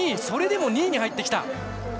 それでも２位に入ってきた。